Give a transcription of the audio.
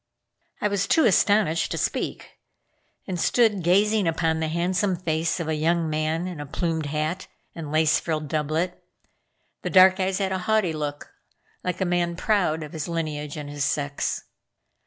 I was too astonished to speak and stood gazing upon the handsome face of a young man in a plumed hat and lace frilled doublet. The dark eyes had a haughty look, like a man proud of his lineage and his sex.